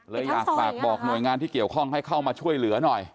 เลยอยากฝากบอกหน่วยงานที่เกี่ยวข้องให้เข้ามาช่วยเหลือหน่อย